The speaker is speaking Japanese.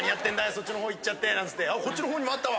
そっちのほう行っちゃってなんつってこっちのほうにもあったわ！